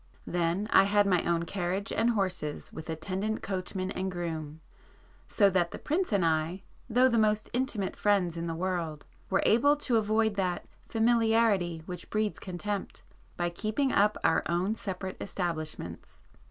Then I had my own carriage and horses with attendant coachman and groom,—so that the prince and I, though the most intimate friends in the world, were able to avoid that 'familiarity which breeds contempt' by keeping up our own separate establishments.